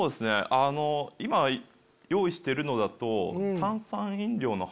今用意してるのだと。